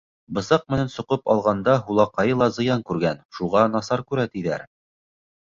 Бысаҡ менән соҡоп алғанда һулаҡайы ла зыян күргән, шуға насар күрә, тиҙәр.